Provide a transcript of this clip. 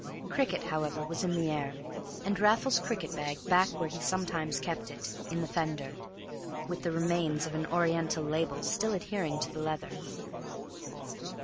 Cricket, however, was in the air, and Raffles's cricket bag back where he sometimes kept it, in the fender, with the remains of an Orient label still adhering to the leather.